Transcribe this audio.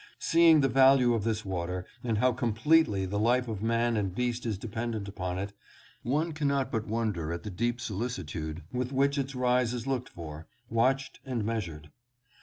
Seeing the value of this water and how completely the life of man and beast is dependent upon it, one cannot wonder at the deep solicitude with which its rise is looked for, watched and measured.